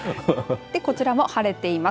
こちらも晴れています。